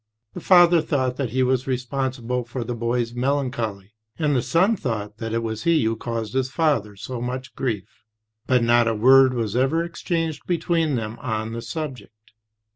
The father thought that he was responsible for the boy's melancholy, and the son thought that it was he who caused his father so much grief — but not a word was ever exchanged between them on the subject."